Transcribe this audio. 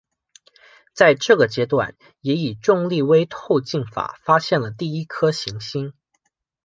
在这个阶段也以重力微透镜法发现了第一颗行星。